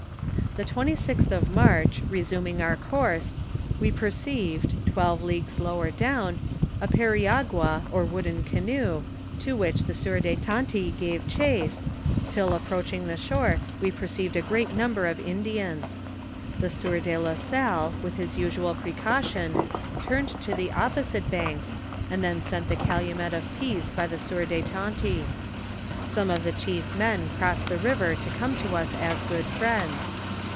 The 26th of March resuming our course, we perceived, twelve leagues lower down, a periagua or wooden canoe, to which the sieur de Tonty gave chase, till approaching the shore, we perceived a great number of Indians. The sieur de la Salle, with his usual precaution, turned to the op posite banks, and then sent the calumet of peace by the sieur de Tonty. Some of the chief men crossed the river to come to us as good friends.